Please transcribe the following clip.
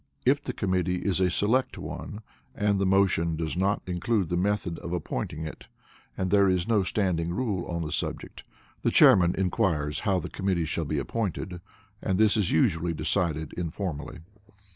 If the committee is a select one, and the motion does not include the method of appointing it, and there is no standing rule on the subject, the Chairman inquires how the committee shall be appointed, and this is usually decided informally.